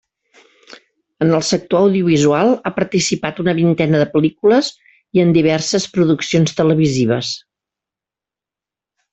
En el sector audiovisual, ha participat una vintena de pel·lícules i en diverses produccions televisives.